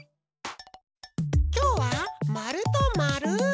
きょうはまるとまる。